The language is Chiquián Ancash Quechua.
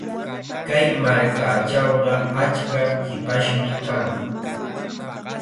Kay markachawqa achka hipashmi kan.